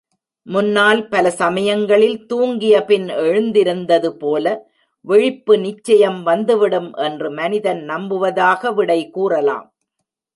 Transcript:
முன்னால் பல சமயங்களில் தூங்கியபின் எழுந்திருந்தது போல விழிப்பு நிச்சயம் வந்துவிடும் என்று மனிதன் நம்புவதாக விடை கூறலாம்.